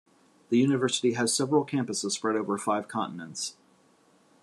The university has several campuses spread over five continents.